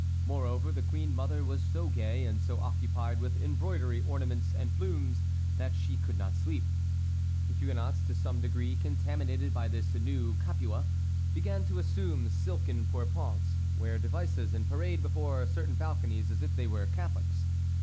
Moreover, the queen mother was so gay, and so occupied with embroidery, ornaments, and plumes, that she could not sleep. The Huguenots, to some degree contaminated by this new Capua, began to assume silken pourpoints, wear devices, and parade before certain balconies, as if they were Catholics.